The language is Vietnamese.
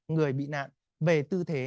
người bị nạn về tư thế